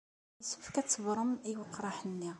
Yessefk ad tṣebrem i weqraḥ-nni.